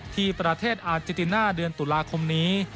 ที่ประเทศอาเจติน่าเดือนตุลาคมนี้